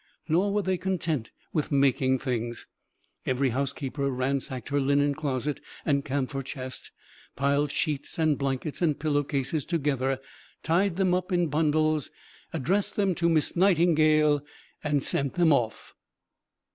Nor were they content with making things. Every housekeeper ransacked her linen closet and camphor chest, piled sheets and blankets and pillowcases together, tied them up in bundles, addressed them to Miss Nightingale, and sent them off.